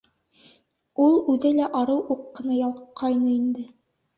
Ул үҙе лә арыу уҡ ҡына ялҡҡайны инде.